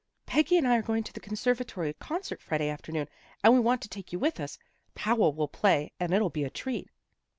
" Peggy and I are going to the Conservatory concert Friday afternoon, and we want to take you with us. Powell will play, and it'll be a treat."